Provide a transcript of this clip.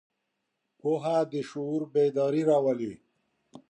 پوهه د شعور بیداري راولي.